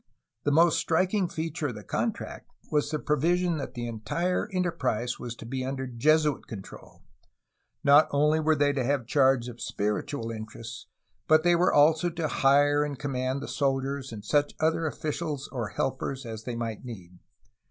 The most striking feature of the contract was the provision that the entire enterprise was to be under Jesuit control; not only were they to have charge of spiritual interests, but they were also to hire and command the sol diers and such other officials or helpers as they might need.